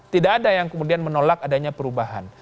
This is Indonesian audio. tidak ada yang kemudian menolak adanya perubahan